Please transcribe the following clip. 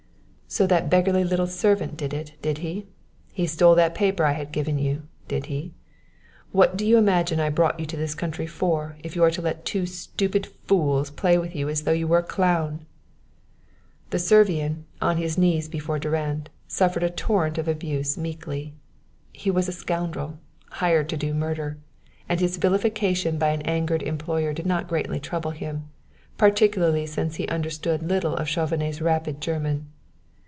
"So that beggarly little servant did it, did he? He stole that paper I had given you, did he? What do you imagine I brought you to this country for if you are to let two stupid fools play with you as though you were a clown?" The Servian, on his knees before Durand, suffered the torrent of abuse meekly. He was a scoundrel, hired to do murder; and his vilification by an angered employer did not greatly trouble him, particularly since he understood little of Chauvenet's rapid German.